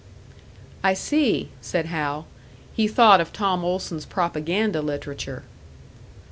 "I see," said Hal; he thought of Tom Olson's propaganda literature!